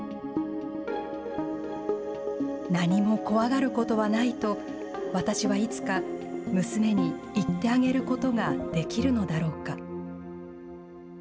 なにも怖がることはないと、私はいつか娘に言ってあげることができるのだろうか。